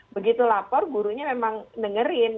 begitu lapor gurunya memang dengerin